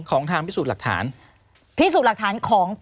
ของทางพิสูจน์หลักฐาน